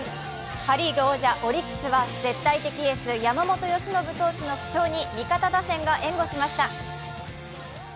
パ・リーグ王者・オリックスは絶対的エース・山本由伸投手の不調に味方打線が援護しました。